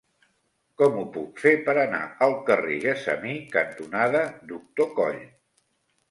Com ho puc fer per anar al carrer Gessamí cantonada Doctor Coll?